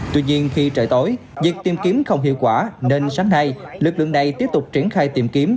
tuy nhiên khi trời tối việc tìm kiếm không hiệu quả nên sáng nay lực lượng này tiếp tục triển khai tìm kiếm